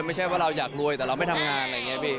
ไม่ใช่ว่าเราอยากรวยแต่เราไม่ทำงานอะไรอย่างนี้พี่